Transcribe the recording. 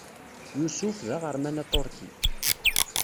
Yusuf d aɣerman aṭurki.